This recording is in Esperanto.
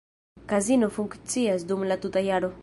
Kazino funkcias dum la tuta jaro.